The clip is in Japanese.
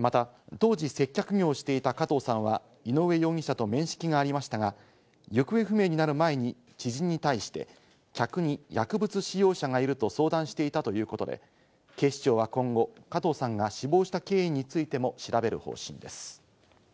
また当時、接客業をしていた加藤さんは、井上容疑者と面識がありましたが、行方不明になる前に知人に対して、客に薬物使用者がいると相談していたということで、警視庁は今後、加藤さんが死亡した経緯についても調べる方針です。